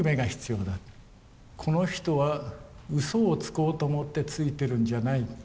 この人はうそをつこうと思ってついてるんじゃない。